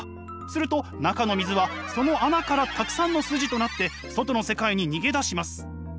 すると中の水はその穴からたくさんの筋となって外の世界に逃げ出します。